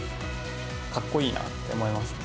かっこいいなって思います。